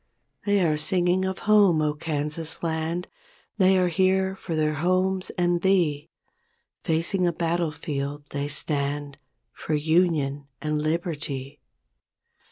1 9 They are singing of home, 0, Kansas land! They are here for their homes and thee; Facing a battlefield they stand For "Union and Liberty''.